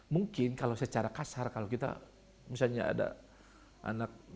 mungkin kalau secara kasar kalau kita misalnya ada anak anak muda anak muda anak muda